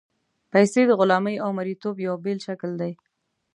پیسې د غلامۍ او مرییتوب یو بېل شکل دی.